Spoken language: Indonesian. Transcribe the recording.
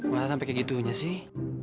merasa sampai kayak gitunya sih